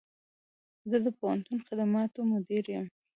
زه د پوهنتون د خدماتو مدیر یم